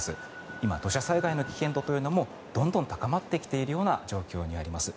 今、土砂災害の危険度もどんどん高まってきている状況にあります。